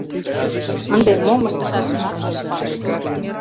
Ынде мом ыштышашымат ок пале.